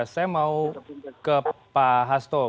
saya mau ke pak hasto